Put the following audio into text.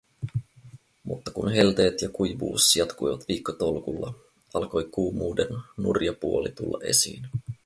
Mutta kun helteet ja kuivuus jatkuivat viikkotolkulla, alkoi kuumuuden nurja puoli tulla esiin.